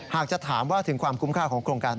หากจะถามว่าถึงความคุ้มค่าของโครงการ